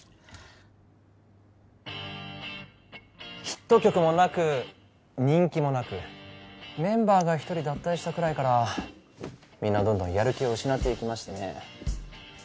ヒット曲もなく人気もなくメンバーが一人脱退したくらいからみんなどんどんやる気を失っていきましてね